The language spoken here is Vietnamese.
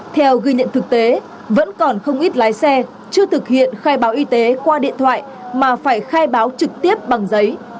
theo ghi nhận thực tế vẫn còn không ít lái xe chưa thực hiện khai báo y tế qua điện thoại mà phải khai báo trực tiếp bằng giấy